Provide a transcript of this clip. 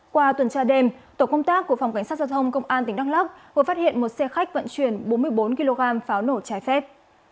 qua tuần tra đêm tổ công tác của phòng cảnh sát giao thông công an tỉnh đắk lóc vừa phát hiện một xe khách vận chuyển bốn mươi bốn kg pháo nổ trái phép